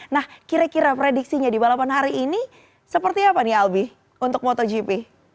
nah kira kira prediksinya di balapan hari ini seperti apa nih albi untuk motogp